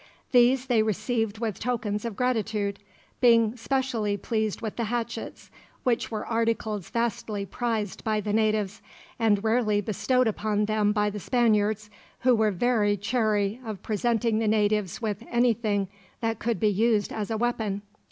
These they received with tokens of gratitude; being specially pleased with the hatchets, which were articles vastly prized by the natives, and rarely bestowed upon them by the Spaniards, who were very chary of presenting the natives with anything that could be used as a weapon.